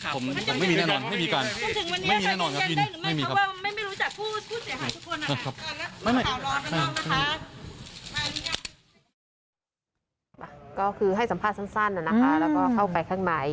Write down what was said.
ก็คือให้สัมภาษณ์สั้นนะคะแล้วก็เข้าไปข้างใน